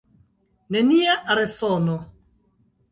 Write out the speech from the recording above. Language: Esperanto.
Nenia resono.